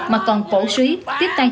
mà còn cổ suý tiếp tục làm việc